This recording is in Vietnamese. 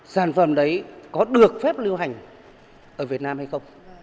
sản phẩm đấy có được phép lưu hành ở việt nam hay không